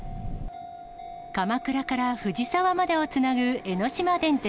鎌倉から藤沢までをつなぐ江ノ島電鉄。